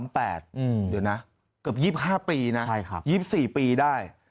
เกือบ๒๕ปี๒๔ปีได้